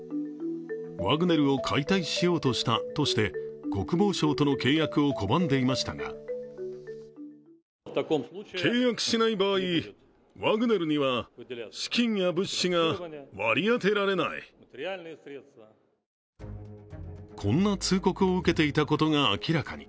ワグネルを解体しようとしたとして国防省との契約を拒んでいましたがこんな通告を受けていたことが明らかに。